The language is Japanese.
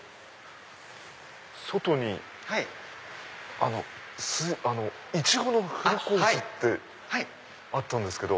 外にいちごのフルコースってあったんですけど。